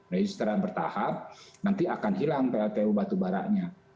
jadi setelah bertahap nanti akan hilang pltu batubara nya